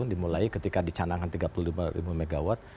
dimulai ketika dicanangkan tiga puluh lima ribu megawatt